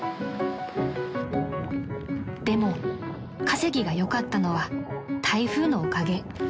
［でも稼ぎがよかったのは台風のおかげ］